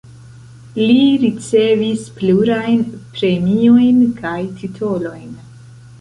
Li ricevis plurajn premiojn kaj titolojn.